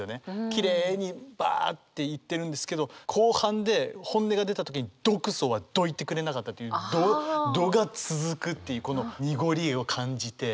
きれいにばあっていってるんですけど後半で本音が出た時に「毒素はどいてくれなかった」という「ど」が続くっていうこの濁りを感じて。